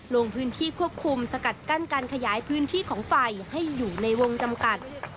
ลงพื้นที่ควบคุมสกัดกั้นการขยายพื้นที่ของไฟให้อยู่ในวงจำกัด